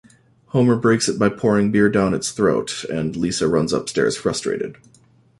Homer breaks it by pouring beer down its throat, and Lisa runs upstairs frustrated.